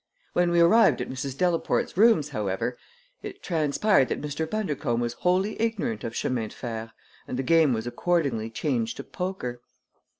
When we arrived at Mrs. Delaporte's rooms, however, it transpired that Mr. Bundercombe was wholly ignorant of chemin de fer, and the game was accordingly changed to poker.